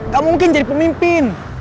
gak mungkin jadi pemimpin